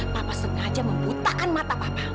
papa sengaja membutakan mata papa